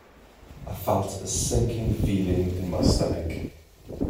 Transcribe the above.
I felt a sinking feeling in my stomach.